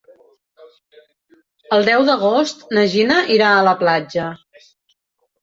El deu d'agost na Gina irà a la platja.